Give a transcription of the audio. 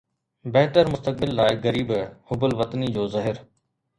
بهتر مستقبل لاءِ غريب حب الوطني جو زهر